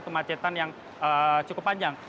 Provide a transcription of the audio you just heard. kemacetan yang cukup panjang